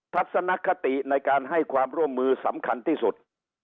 ทัศนคติในการให้ความร่วมมือสำคัญที่สุด